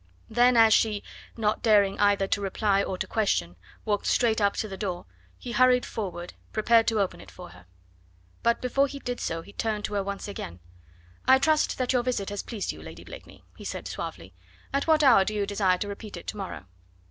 Then as she not daring either to reply or to question walked straight up to the door, he hurried forward, prepared to open it for her. But before he did so he turned to her once again: "I trust that your visit has pleased you, Lady Blakeney," he said suavely. "At what hour do you desire to repeat it to morrow?"